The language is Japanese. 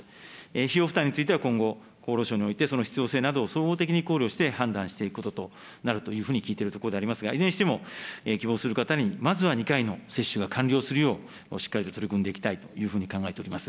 費用負担については、今後、厚労省において、その必要性などを総合的に考慮して、判断していくこととなるというふうに聞いているところでありますが、いずれにしても希望する方に、まずは２回の接種が完了するよう、しっかりと取り組んでいきたいというふうに考えております。